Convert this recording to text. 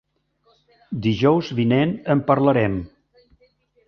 Dijous vinent en parlarem.